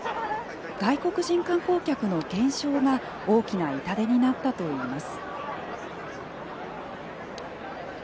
外国人観光客の減少が大きな痛手になったといいます。